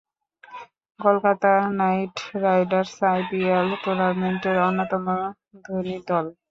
Kolkata Knight Riders IPL টুর্নামেন্টের অন্যতম ধনী দল।